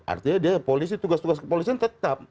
artinya dia polisi tugas tugas kepolisian tetap